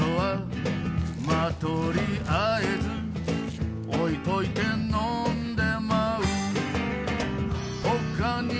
「まあとりあえず置いといて呑んでまう」「他にたくさん」